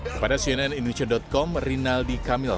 kepada cnn indonesia com rinaldi kamil